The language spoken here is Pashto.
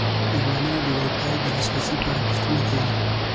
میلمانه د وای فای د لاسرسي په اړه پوښتنه کوي.